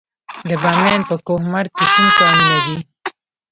د بامیان په کهمرد کې کوم کانونه دي؟